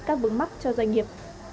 các vấn mắc cho doanh nghiệp